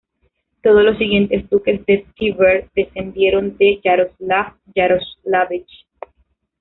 Todos los siguientes duques de Tver descendieron de Yaroslav Yaroslávich.